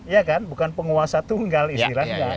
ya kan bukan penguasa tunggal istilahnya